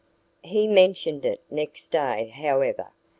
He mentioned it next day, however.